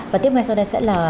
và tiếp ngay sau đây sẽ là